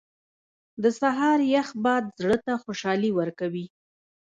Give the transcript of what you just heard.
• د سهار یخ باد زړه ته خوشحالي ورکوي.